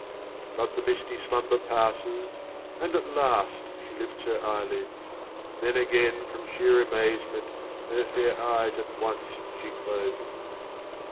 But the misty slumber passes, And at last she lifts her eyelids. Then again from sheer amazement Her fair eyes at once she closes.